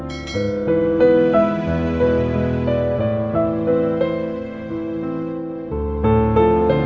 jadi dengarkan persembahan fu jiwo